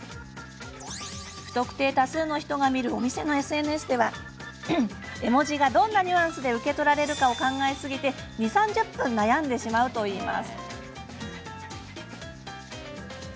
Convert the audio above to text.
不特定多数の人が見るお店のＳＮＳでは絵文字がどんなニュアンスで受け取られるかを考えすぎて２０、３０分悩んでしまうといいます。